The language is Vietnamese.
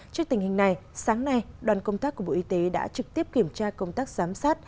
trước tình hình này sáng nay đoàn công tác của bộ y tế đã trực tiếp kiểm tra công tác giám sát